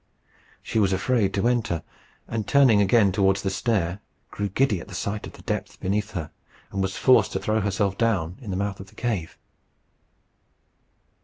She was afraid to enter, and turning again towards the stair, grew giddy at sight of the depth beneath her, and was forced to throw herself down in the mouth of the cave.